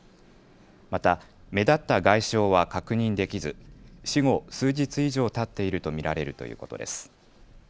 また目立った外傷は確認できず死後、数日以上たっていると見られるということです。